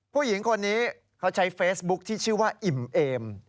ผู้หญิงคนนี้เขาใช้เฟซบุ๊คที่ชื่อว่าอิ่มเอม